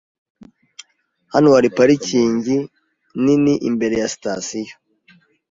Hano hari parikingi nini imbere ya sitasiyo.